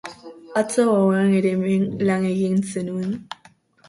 Atzo gauean ere hemen lan egin zenuen?